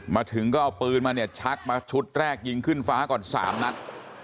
มาถึงก็เอาปืนมาเนี่ยชักมาชุดแรกยิงขึ้นฟ้าก่อน๓นัด